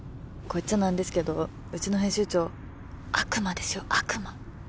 こう言っちゃなんですけどうちの編集長悪魔ですよ悪魔